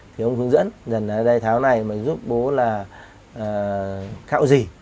thì ông hướng dẫn tháo này giúp bố là cạo gì